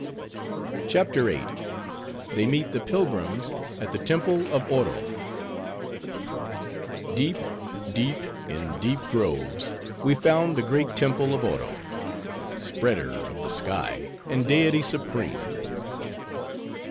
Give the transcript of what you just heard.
CHAPTER VIII. They Meet The Pilgrims At The Temple Of Oro Deep, deep, in deep groves, we found the great temple of Oro, Spreader of the Sky, and deity supreme.